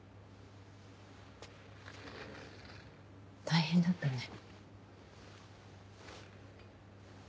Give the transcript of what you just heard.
大変だったね。